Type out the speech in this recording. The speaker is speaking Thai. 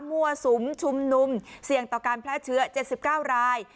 มั่วสุมชุมนุมเสี่ยงต่อการแพร่เชื้อ๗๙ราย